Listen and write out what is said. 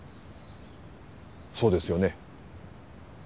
そうですよね？